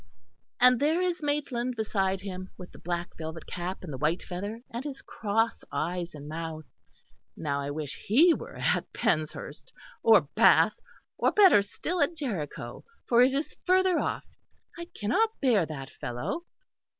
And there is Maitland beside him, with the black velvet cap and the white feather, and his cross eyes and mouth. Now I wish he were at Penshurst, or Bath or better still, at Jericho, for it is further off. I cannot bear that fellow....